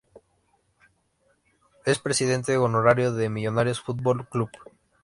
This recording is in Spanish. Es presidente honorario de Millonarios Fútbol Club.